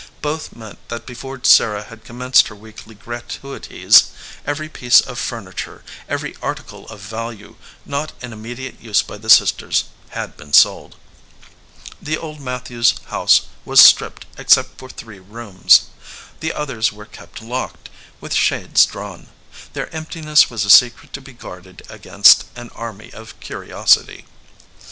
Both meant that before Sarah had commenced her weekly gratuities, every piece of furniture, every article of value, not in immediate VALUE RECEIVED use by the sisters, had been sold. The old Mat thews house was stripped except for three rooms. The others were kept locked, with shades drawn. Their emptiness was a secret to be guarded against an army of curiosity.